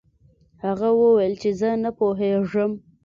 هغه وویل چې زه نه پوهیږم.